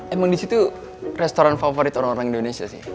emang disitu restoran favorit orang orang indonesia sih